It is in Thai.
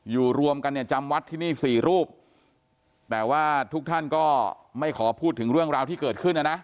รวมกันเนี่ยจำวัดที่นี่สี่รูปแต่ว่าทุกท่านก็ไม่ขอพูดถึงเรื่องราวที่เกิดขึ้นนะนะ